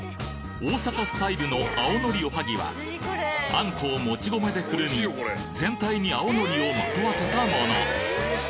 大阪スタイルの青のりおはぎはあんこをもち米でくるみ全体に青のりをまとわせたもの